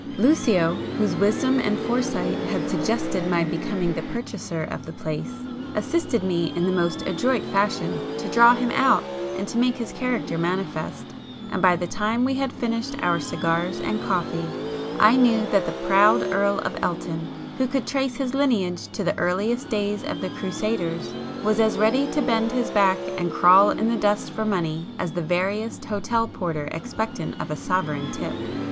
Lucio, whose wisdom and foresight had suggested my becoming the purchaser of the place, assisted me in the most adroit fashion to draw him out and to make his character manifest, and by the time we had finished our cigars and coffee I knew that the 'proud' Earl of Elton, who could trace his lineage to the earliest days of the Crusaders, was as ready to bend his back and crawl in the dust for money as the veriest hotel porter expectant of a sovereign 'tip.